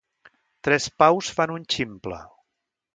Tres paus fan un ximple.